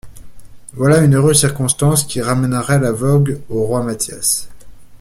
Voilà une heureuse circonstance qui ramènerait la vogue au Roi Mathias.